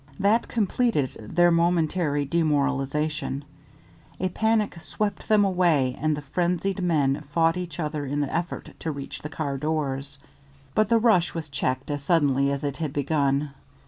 That completed their momentary demoralization; a panic swept them away, and the frenzied men fought each other in the effort to reach the car doors. But the rush was checked as suddenly as it had begun.